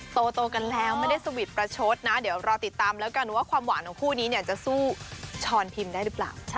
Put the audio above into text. โตกันแล้วไม่ได้สวิตช์ประชดนะเดี๋ยวรอติดตามแล้วกันว่าความหวานของคู่นี้เนี่ยจะสู้ชอนพิมพ์ได้หรือเปล่า